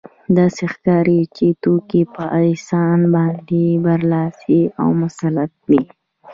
داسې ښکاري چې توکي په انسان باندې برلاسي او مسلط دي